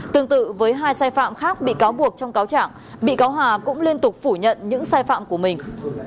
tương tự với hai sai phạm khác bị cáo buộc trong cáo trạng bị cáo hà cũng liên tục phủ nhận những sai phạm của mình